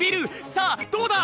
さあどうだ！？